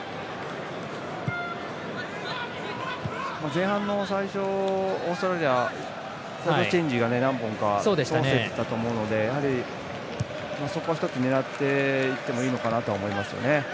前半の最初オーストラリアサイドチェンジが何本か通せていたと思うのでそこは１つ狙っていってもいいのかなと思いますね。